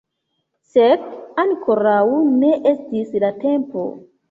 Sed ankoraŭ ne estis la tempo.